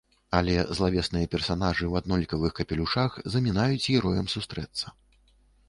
Але злавесныя персанажы ў аднолькавых капелюшах замінаюць героям сустрэцца.